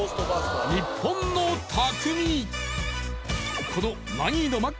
日本の匠。